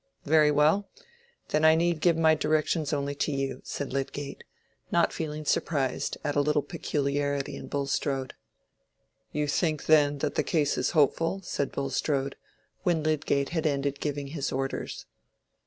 "Very well. Then I need give my directions only to you," said Lydgate, not feeling surprised at a little peculiarity in Bulstrode. "You think, then, that the case is hopeful?" said Bulstrode, when Lydgate had ended giving his orders.